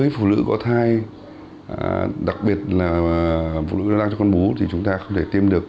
phụ nữ có thai đặc biệt là phụ nữ mang cho con bú thì chúng ta không thể tiêm được